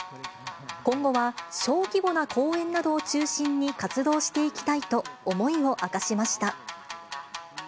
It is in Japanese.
今後は小規模な公演などを中心に活動していきたいと、思いを明かしました。